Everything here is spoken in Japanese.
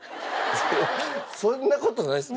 そんな事ないです。